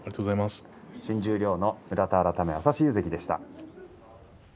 新十両の村田改め朝志雄関でした。